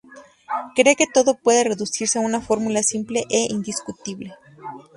Cree que todo puede reducirse a una fórmula simple e indiscutible.